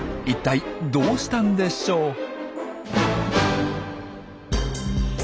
いったいどうしたんでしょう？